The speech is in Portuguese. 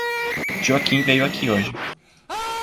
Joaquim veio aqui hoje.